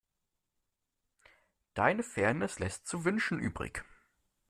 Deine Fairness lässt zu wünschen übrig.